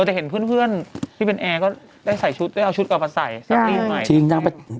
เราจะเห็นเพื่อนที่เป็นแอร์ก็ได้ใส่ชุดเอาชุดไปเอามาใส่